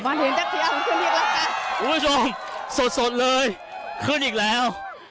บ๊วยคุณผู้ชมสดเลยขึ้นอีกแล้ว